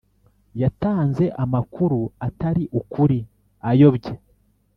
yatanze amakuru atari ukuri ayobya